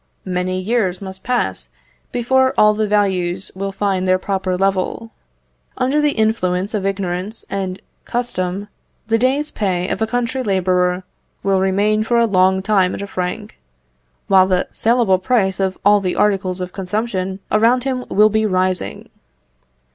Many years must pass before all the values will find their proper level. Under the influence of ignorance and custom, the day's pay of a country labourer will remain for a long time at a franc, while the saleable price of all the articles of consumption around him will be rising.